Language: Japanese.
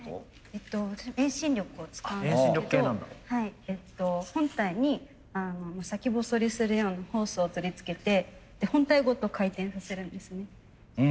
私も遠心力を使うんですけど本体に先細りするようなホースを取り付けて本体ごと回転させるんですね。